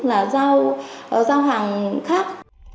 là giao hàng khác